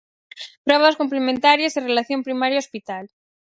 Probas complementarias e relación primaria-hospital.